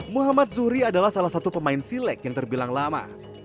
muhammad zuhri adalah salah satu pemain silek yang terbilang lama